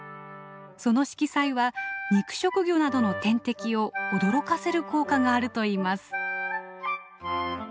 その色彩は肉食魚などの天敵を驚かせる効果があるといいます。